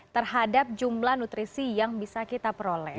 terhadap jumlah nutrisi yang bisa kita peroleh